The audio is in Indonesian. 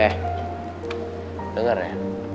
eh denger ya